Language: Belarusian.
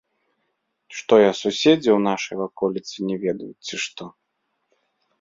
Што я суседзяў у нашай ваколіцы не ведаю, ці што?